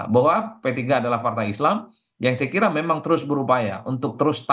bahwa p tiga adalah partai islam yang saya kira memang terus berupaya untuk terus